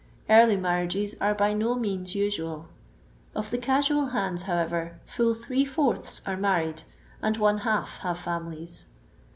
Karly marriages are by no means usual Of the casual hands, however, full three fourths are married, and one half have fiunilies.